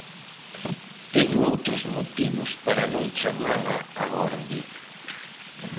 Teño outros motivos para non chamala á orde.